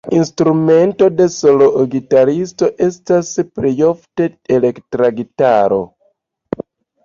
La instrumento de soloo-gitaristo estas plejofte elektra gitaro.